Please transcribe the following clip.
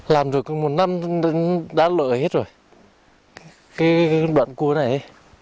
làm được một năm đá lợi hết rồi cái đoạn cua này